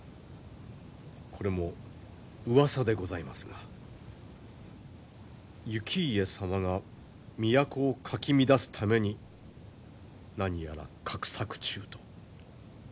これもうわさでございますが行家様が都をかき乱すために何やら画策中と。